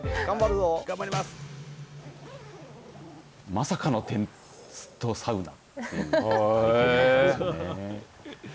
まさかのテントサウナ。